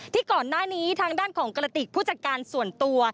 ก่อนหน้านี้ทางด้านของกระติกผู้จัดการส่วนตัว